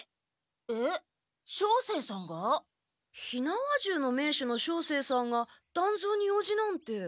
火縄銃の名手の照星さんが団蔵に用事なんて。